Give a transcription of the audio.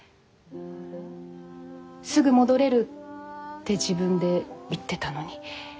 すぐ戻れるって自分で言ってたのに。